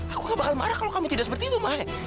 aku gak bakal marah kalau kamu tidak seperti itu mahek